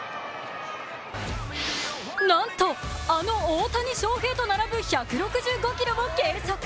なんと、あの大谷翔平と並ぶ１６５キロを計測。